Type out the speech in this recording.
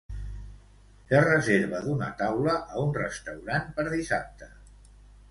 Fer reserva d'una taula a un restaurant per dissabte.